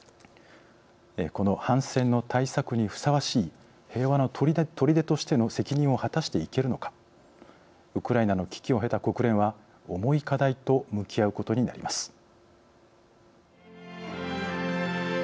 この反戦の大作にふさわしい平和のとりでとしての責任を果たしていけるのかウクライナの危機を経た国連は重い課題と向き合うことになります。